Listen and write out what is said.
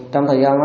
trong thời gian